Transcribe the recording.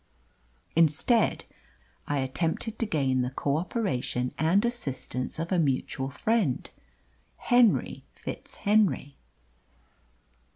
Instead, I attempted to gain the co operation and assistance of a mutual friend, Henry FitzHenry."